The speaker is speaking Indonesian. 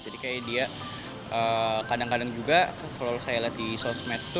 jadi kayak dia kadang kadang juga selalu saya lihat di sosmed itu